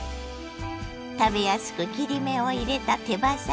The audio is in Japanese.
食べやすく切り目を入れた手羽先。